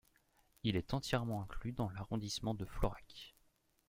Il est entièrement inclus dans l'arrondissement de Florac.